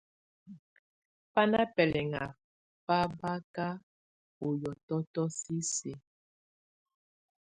Bá ná bɛlɛŋá fábáka ú hiɔtɔtɔ sisiǝ.